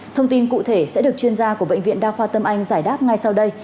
thông tin cụ thể sẽ được chuyên gia của bệnh viện đa khoa tâm anh giải đáp ngay sau đây